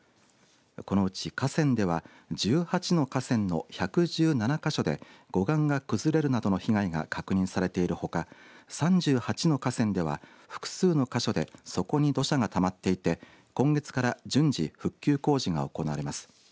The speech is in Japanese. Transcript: このうち、河川では１８の河川の１１７か所で護岸が崩れるなどの被害が確認されているほか３８の河川では、複数の箇所で底に土砂がたまっていて今月から順次、復旧工事が行われます。